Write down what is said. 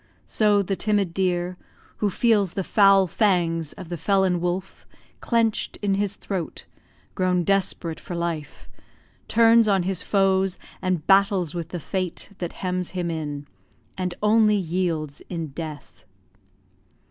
So the timid deer, Who feels the foul fangs of the felon wolf Clench'd in his throat, grown desperate for life, Turns on his foes, and battles with the fate That hems him in and only yields in death.